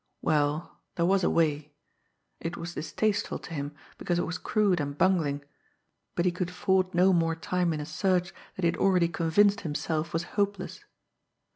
Well, there was a way it was distasteful to him because it was crude and bungling, but he could afford no more time in a search, that he had already convinced himself was hopeless.